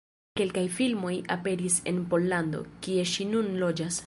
Kelkaj filmoj aperis en Pollando, kie ŝi nun loĝas.